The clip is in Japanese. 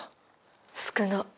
少なっ。